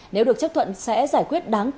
nếu được chấp thuận sẽ giải quyết bằng cách đồng hành